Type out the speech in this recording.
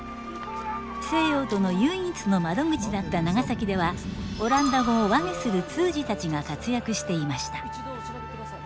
西洋との唯一の窓口だった長崎ではオランダ語を和解する通詞たちが活躍していました。